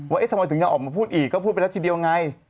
ว่าทำไมถึงยังออกมาพูดอีกก็พูดไปแล้วทีเดียวไง